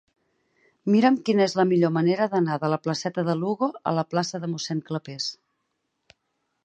Mira'm quina és la millor manera d'anar de la placeta de Lugo a la plaça de Mossèn Clapés.